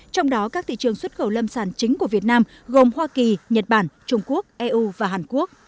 trong đó các thị trường xuất khẩu lâm sản chính của việt nam gồm hoa kỳ nhật bản trung quốc eu và hàn quốc